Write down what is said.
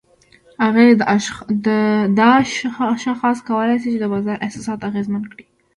اغېز: دا شاخص کولی شي د بازار احساسات اغیزمن کړي؛